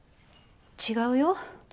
違うよ。